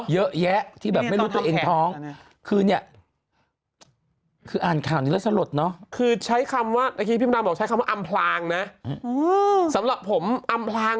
เหรอแล้วทำเขกอะไรมีอีกตอนนี้